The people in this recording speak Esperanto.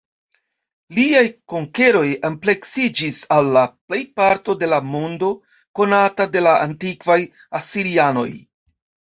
Liaj konkeroj ampleksiĝis al la plejparto de la mondo konata de la antikvaj asirianoj.